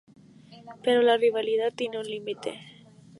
Pero la rivalidad tiene un límite.